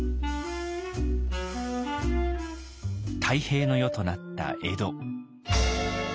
泰平の世となった江戸。